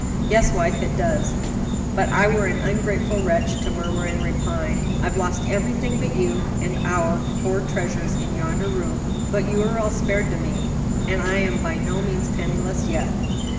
"Yes, wife, it does; but I were an ungrateful wretch to murmur and repine, had I lost everything but you and our four treasures in yonder room: but you are all spared to me, and I am by no means penniless yet."